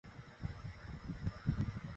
সন্ধান করার সময় বেশ কিছু ঘটনা ঘটেছিলো।